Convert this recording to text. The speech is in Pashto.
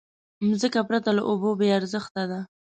مځکه پرته له اوبو بېارزښته ده.